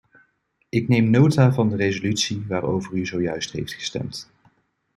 Ik neem nota van de resolutie waarover u zojuist heeft gestemd.